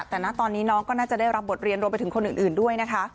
แต่นะตอนนี้น้องก็น่าจะได้รับบทเรียนรวมไปถึงคนอื่นด้วยนะคะ